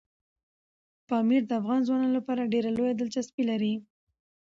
پامیر د افغان ځوانانو لپاره ډېره لویه دلچسپي لري.